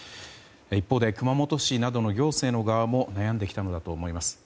一方で熊本市などの行政の側も悩んできたのだと思います。